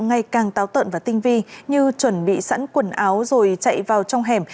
ngày càng táo tợn và tinh vi như chuẩn bị sẵn quần áo rồi chạy vào trong hẻm